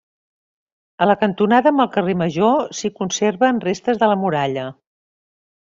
A la cantonada amb el carrer Major s'hi conserven restes de la muralla.